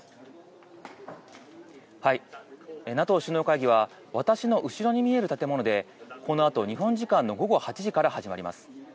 ＮＡＴＯ首脳会議は、私の後ろに見える建物で、このあと、日本時間の午後８時から始まります。